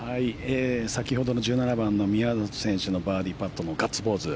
先ほどの１７番の宮里選手のバーディーパットのガッツポーズ。